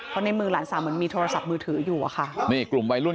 เพราะในมือหลานสาวเหมือนมีโทรศัพท์มือถืออยู่อะค่ะนี่กลุ่มวัยรุ่น